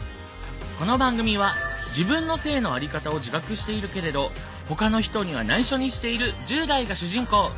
この番組は自分の性のあり方を自覚しているけれどほかの人には内緒にしている１０代が主人公。